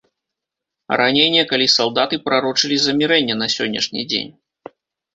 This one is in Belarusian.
Раней некалі салдаты прарочылі замірэнне на сённяшні дзень.